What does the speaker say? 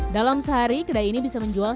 dalam sehari kedai ini bisa menjual